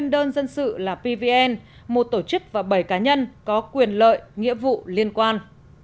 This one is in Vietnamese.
đơn dân sự là pvn một tổ chức và bảy cá nhân có quyền lợi nghĩa vụ liên quan